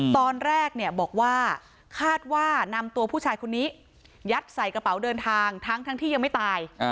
ตอนแรกบอกว่าคาดว่านำตัวผู้ชายคนนี้ยัดใส่กระเป๋าเดินทางทั้งที่ยังไม่ตาย